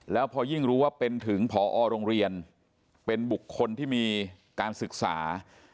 แล้วพอยิ่งรู้ว่าเป็นถึงพอโรงเรียนเป็นบุคคลที่มีการศึกษา